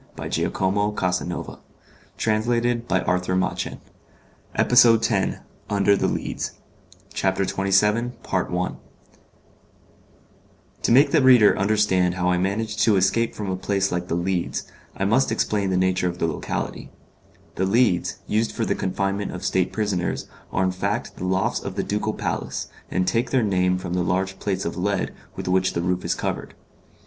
CHAPTER XXVII Various Adventures My Companions I Prepare to Escape Change of Cell To make the reader understand how I managed to escape from a place like the Leads, I must explain the nature of the locality. The Leads, used for the confinement of state prisoners, are in fact the lofts of the ducal palace, and take their name from the large plates of lead with which the roof is covered.